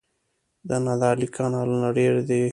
د نادعلي کانالونه ډیر دي